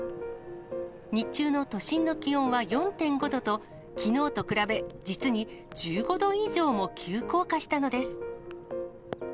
日中の都心の気温は４．５度と、きのうと比べ、実に１５度以上も急降下したのです。